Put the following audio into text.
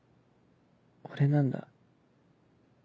俺なんだ。